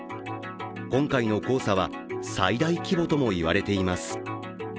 今回の黄砂は、最大規模ともいわれています。